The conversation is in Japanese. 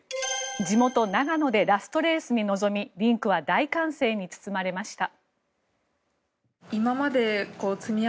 地元・長野でラストレースに臨みリンクは大歓声に包まれました。